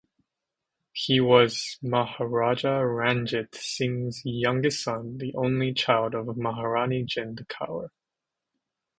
He was Maharaja Ranjit Singh's youngest son, the only child of Maharani Jind Kaur.